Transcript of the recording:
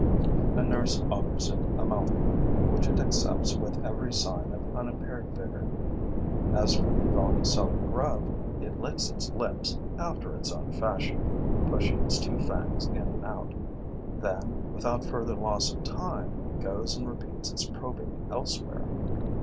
A nurse offers it a mouthful, which it accepts with every sign of unimpaired vigor. As for the Volucella grub, it licks its lips after its own fashion, pushing its two fangs in and out; then, without further loss of time, goes and repeats its probing elsewhere.